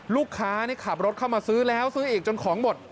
ลูกค้านี่ขับรถเข้ามาซื้อแล้วซื้ออีกจนของหมด